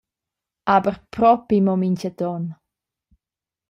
Aber propi mo mintgaton.